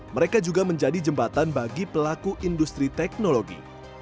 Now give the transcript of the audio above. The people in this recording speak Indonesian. mereka juga menjadi jembatan bagi pelaku industri teknologi